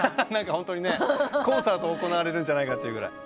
本当にねコンサート行われるんじゃないかっていうぐらい。